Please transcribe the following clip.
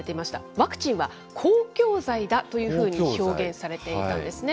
ワクチンは公共財だというふうに表現されていたんですね。